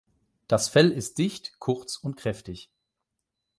Das Fell ist dicht, kurz und kräftig.